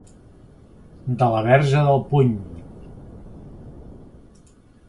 De la Verge del Puny.